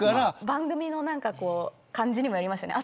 番組の感じにもよりますよね。